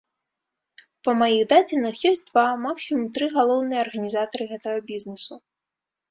Па маіх дадзеных, ёсць два, максімум тры галоўныя арганізатары гэтага бізнесу.